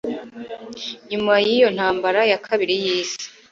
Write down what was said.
Nyuma y'iyo ntambara ya kabiri y'isi,